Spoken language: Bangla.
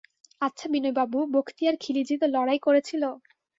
আচ্ছা বিনয়বাবু, বক্তিয়ার খিলিজি তো লড়াই করেছিল?